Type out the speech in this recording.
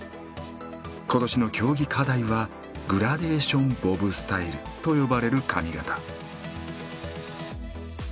今年の競技課題はグラデーションボブスタイルと呼ばれる髪形。